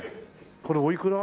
これおいくら？